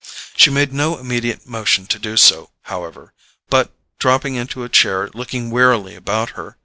She made no immediate motion to do so, however, but dropping into a chair looked wearily about her.